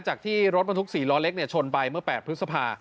จากที่รถบรรทุก๔ล้อเล็กชนไปเมื่อ๘พฤษภา